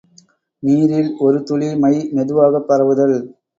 நீரில் ஒரு துளி மை மெதுவாகப் பரவுதல்.